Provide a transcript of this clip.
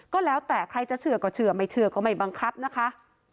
ก็แล้วแต่ใครจะเชื่อก็เชื่อไม่เชื่อก็ไม่บังคับนะคะ